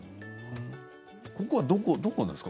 ここはどこですか？